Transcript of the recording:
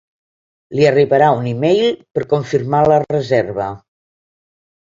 Li arribarà un email per confirmar la reserva.